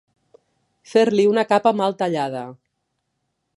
Fer-li una capa mal tallada.